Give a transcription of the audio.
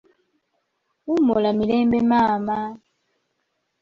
Wummula mirembe Maama!